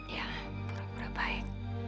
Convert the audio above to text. ya pura pura baik